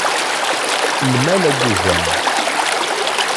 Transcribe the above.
Lmal agugam!